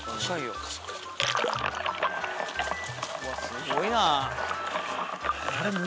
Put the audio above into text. すごいなぁ。